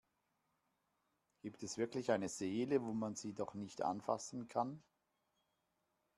Gibt es wirklich eine Seele, wo man sie doch nicht anfassen kann?